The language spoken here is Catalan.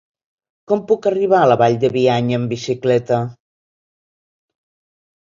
Com puc arribar a la Vall de Bianya amb bicicleta?